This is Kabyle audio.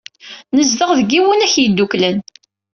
Nezdeɣ deg Yiwunak Yeddukklen.